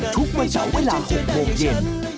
ทุกวันเสาร์เวลา๖โมงเย็น